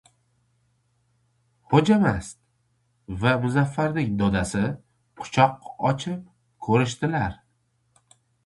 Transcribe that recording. Xo‘jamast va Muzaffarning dadasi quchoq ochib ko‘rishdilar.